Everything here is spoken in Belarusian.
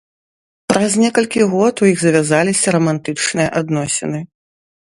Праз некалькі год у іх завязаліся рамантычныя адносіны.